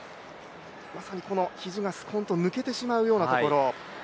まさに肘がスポンと抜けてしまうようなところ。